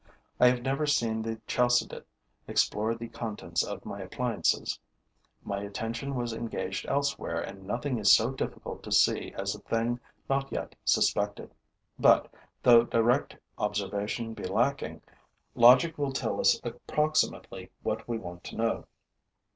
I have never seen the Chalcidid explore the contents of my appliances; my attention was engaged elsewhere and nothing is so difficult to see as a thing not yet suspected. But, though direct observation be lacking, logic will tell us approximately what we want to know.